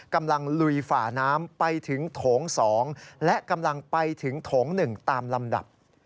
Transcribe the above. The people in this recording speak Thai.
ลุยฝ่าน้ำไปถึงโถง๒และกำลังไปถึงโถง๑ตามลำดับ